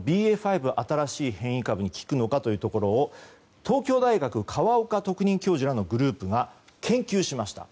５新しい変異株に効くのかというところを東京大学河岡特任教授らのグループが研究しました。